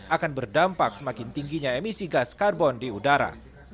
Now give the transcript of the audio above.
akan berdampak semakin tingginya emisi gas karbon di udara